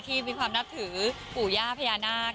ที่มีความนับถือปู่ย่าพญานาค